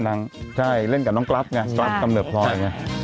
นางใช่เล่นกับน้องกรัฟไงกรัฟกำเนื้อพรอยไง